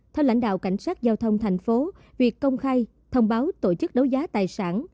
theo lãnh đạo cảnh sát giao thông tp việc công khai thông báo tổ chức đấu giá tài sản